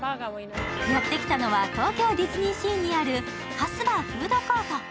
やってきたのは東京ディズニーシーにあるカスバ・フードコート。